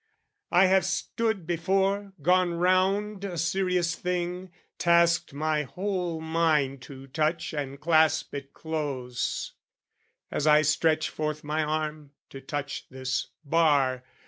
I have stood before, gone round a serious thing, Tasked my whole mind to touch and clasp it close, As I stretch forth my arm to touch this bar.